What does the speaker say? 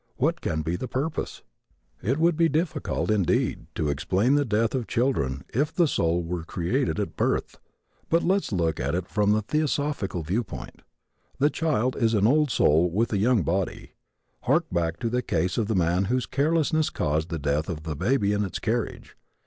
What can be the purpose? It would be difficult indeed to explain the death of children if the soul were created at birth. But let us look at it from the theosophical viewpoint. The child is an old soul with a young body. Hark back to the case of the man whose carelessness caused the death of the baby in its carriage.